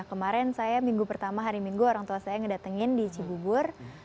kemarin saya minggu pertama hari minggu orang tua saya ngedatengin di cibubur